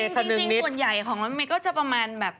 คือจริงส่วนใหญ่ของรถเมย์ก็จะประมาณแบบ